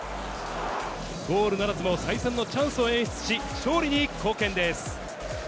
ゴールならずも、再三のチャンスを演出し、勝利に貢献です。